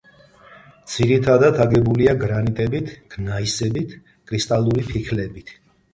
ძირითადად აგებულია გრანიტებით, გნაისებით, კრისტალური ფიქლებით.